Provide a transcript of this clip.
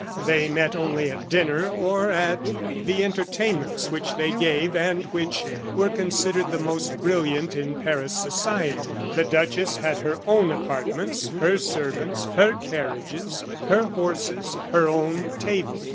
They met only at dinner, or at the entertainments which they gave and which were considered the most brilliant in Paris society. The duchess had her own apartments, her servants, her carriages, her horses, her own table.